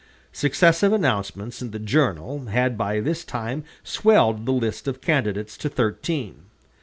Successive announcements in the "Journal" had by this time swelled the list of candidates to thirteen.